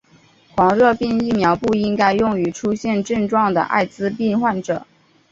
黄热病疫苗不应该用于出现症状的爱滋病患者。